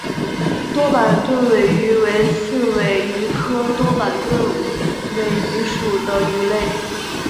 多板盾尾鱼为刺尾鱼科多板盾尾鱼属的鱼类。